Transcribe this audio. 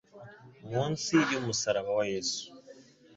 Munsi y’umusaraba wa yesu